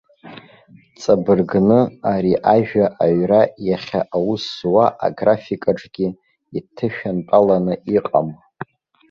Ҵабыргны, ари ажәа аҩра иахьа аус зуа аграфикаҿгьы иҭышәантәаланы иҟам.